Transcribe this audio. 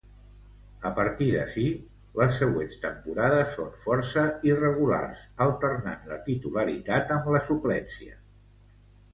A partir d'ací, les següents temporades són força irregulars, alternant la titularitat amb la suplència.